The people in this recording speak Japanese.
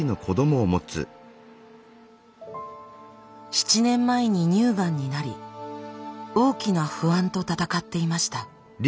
７年前に乳がんになり大きな不安と闘っていました。